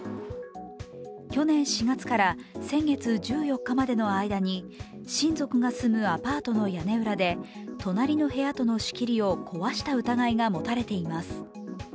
去年４月から先月１４日までの間に親族が住むアパートの屋根裏で隣の部屋との仕切りを壊した疑いが持たれています。